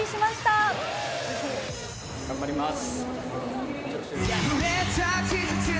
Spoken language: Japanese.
頑張ります！